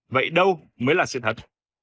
vậy đâu mới là sự thật